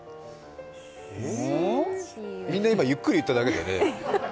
みんな今、ゆっくり言っただけだよね。